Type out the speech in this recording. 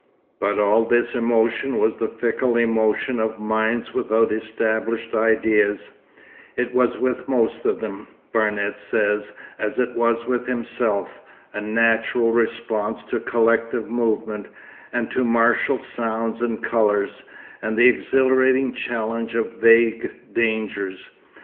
But all this emotion was the fickle emotion of minds without established ideas; it was with most of them, Barnet says, as it was with himself, a natural response to collective movement, and to martial sounds and colours, and the exhilarating challenge of vague dangers.